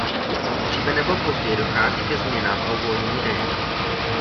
Dříve nebo později dochází ke změnám a zvolnění režimu.